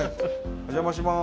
お邪魔します。